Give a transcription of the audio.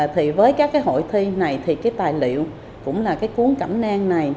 thì với các cái hội thi này thì cái tài liệu cũng là cái cuốn cẩm nang này